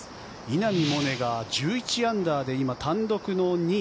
稲見萌寧が１１アンダーで今、単独の２位。